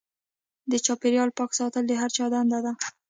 د چاپیریال پاک ساتل د هر چا دنده ده.